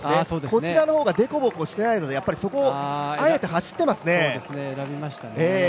こちらの方が凸凹してないのでそこをあえて走ってますね。